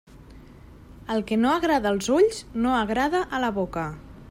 El que no agrada als ulls, no agrada a la boca.